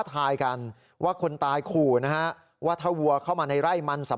ทายกันว่าคนตายขู่นะฮะว่าถ้าวัวเข้ามาในไร่มันสับ